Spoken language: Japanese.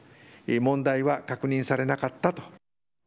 問題は確認されなかったと。